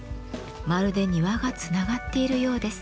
まるで庭がつながっているようです。